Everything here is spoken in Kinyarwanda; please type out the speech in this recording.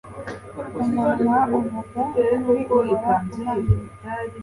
Umunwa uvuga ukuri uhora uhamye